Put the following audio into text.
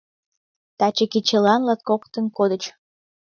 Таче кечылан латкокытын кодыч.